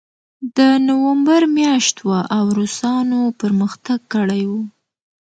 د نومبر میاشت وه او روسانو پرمختګ کړی و